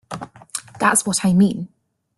That's what I mean.